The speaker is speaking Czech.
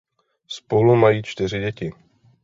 Spolu mají čtyři děti.